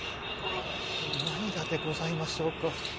あ何がでございましょうか？